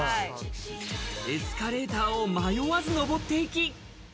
エスカレーターを迷わずのぼっていき。